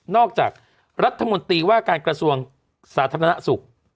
จากรัฐมนตรีว่าการกระทรวงสาธารณสุข